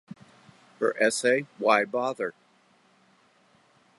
Her essay Why Bother?